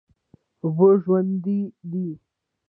اوبه ژوند دی؟